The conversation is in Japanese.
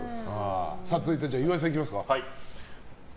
続いて、岩井さんいきますか。